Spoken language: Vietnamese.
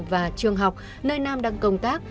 và trường học nơi nam đang công tác